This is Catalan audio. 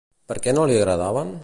Per què no li agradaven?